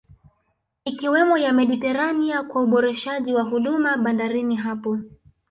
Ikiwemo ya Mediterania kwa uboreshaji wa huduma bandarini hapo